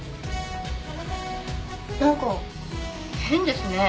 なんか変ですね。